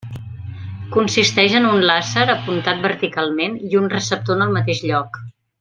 Consisteix en un làser apuntant verticalment, i un receptor en el mateix lloc.